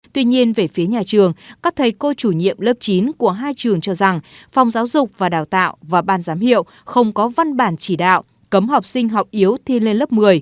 tuy nhiên về phía nhà trường các thầy cô chủ nhiệm lớp chín của hai trường cho rằng phòng giáo dục và đào tạo và ban giám hiệu không có văn bản chỉ đạo cấm học sinh học yếu thi lên lớp một mươi